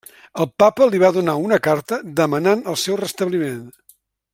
El papa li va donar una carta demanant el seu restabliment.